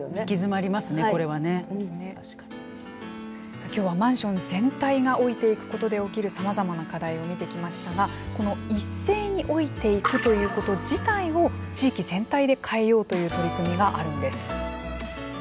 さあ今日はマンション全体が老いていくことで起きるさまざまな課題を見てきましたがこの一斉に老いていくということ自体を地域全体で変えようという取り組みがあるんです。